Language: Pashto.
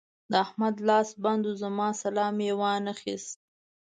د احمد لاس بند وو؛ زما سلام يې وانخيست.